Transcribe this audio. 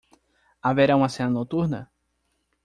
Haverá uma cena noturna?